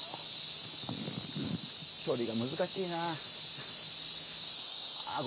距離が難しいなあ。